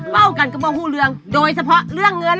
เป้ากันกับบ่ผู้เรืองโดยเฉพาะเรื่องเงิน